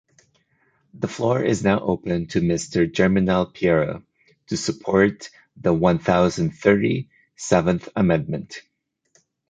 The floor is now open to Mr. Germinal Peiro, to support the one thousand thirty(seventh amendment.